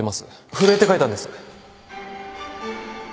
震えて書いたんです